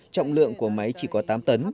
trọng lượng của máy chỉ có tám tấn